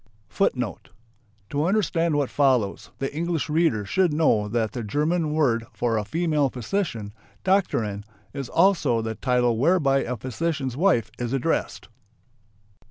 To understand what follows, the English reader should know that the German word for a female physician ("Doktorin") is also the title whereby a physician's wife is addressed.